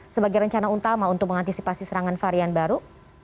sebagai rencana utama untuk mengantisipasi serangan varian baru